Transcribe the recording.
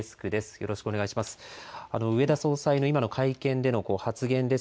よろしくお願いします。